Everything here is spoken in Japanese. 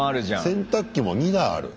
洗濯機も２台ある。